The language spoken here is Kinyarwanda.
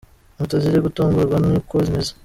Moto ziri gutomborwa ni uko zimeze.